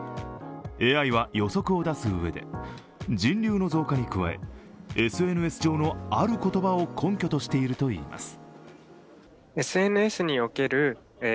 ＡＩは予測を出すうえで人流の増加に加え、ＳＮＳ上のある言葉を根拠としているといいます。